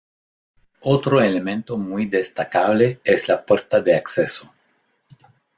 Otro elemento muy destacable es la puerta de acceso.